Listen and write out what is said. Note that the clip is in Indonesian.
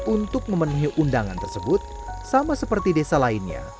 untuk memenuhi undangan tersebut sama seperti desa lainnya